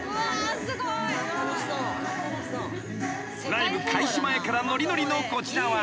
［ライブ開始前からノリノリのこちらは］